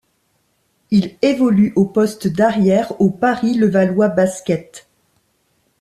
Il évolue au poste d'arrière au Paris Levallois Basket.